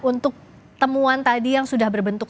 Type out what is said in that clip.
untuk temuan tadi yang sudah berbentuk